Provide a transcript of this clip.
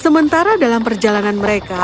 sementara dalam perjalanan mereka